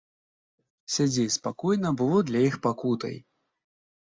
Сядзець спакойна было для іх пакутай.